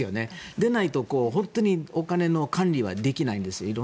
でないと、本当にお金の管理はできないんです。